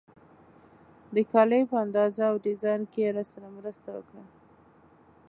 د کالیو په اندازه او ډیزاین کې یې راسره مرسته وکړه.